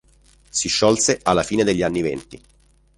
Si sciolse alla fine degli anni venti.